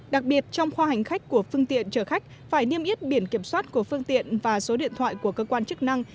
đặc biệt trong khoa hành khách của phương tiện chở khách phải niêm yết biển kiểm soát của phương tiện và số điện thoại của cơ quan chức năng